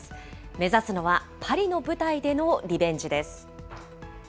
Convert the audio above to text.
目指すのはパリの舞台でのリベンジです。